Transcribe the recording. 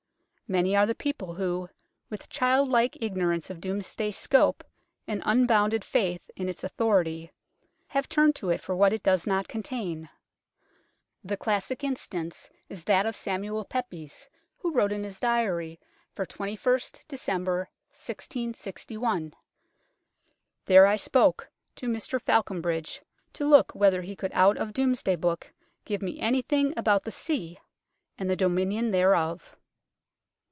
Many are the people who, with child like ignorance of Domesday's scope and unbounded faith in its authority, have turned to it for what it does not contain. The classic instance is that of Samuel Pepys, who wrote in his Diary for 2ist December 1661 :" There I spoke to Mr Falconbridge, to look whether he could out of Domesday Book give me anything about the sea, and the dominion thereof."